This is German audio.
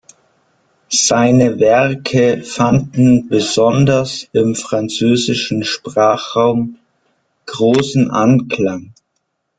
Seine Werke fanden besonders im französischen Sprachraum großen Anklang.